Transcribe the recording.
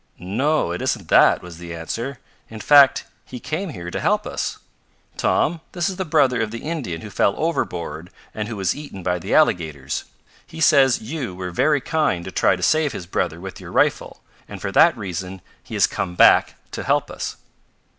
"No, it isn't that," was the answer. "In fact he came here to help us. Tom, this is the brother of the Indian who fell overboard and who was eaten by the alligators. He says you were very kind to try to save his brother with your rifle, and for that reason he has come back to help us."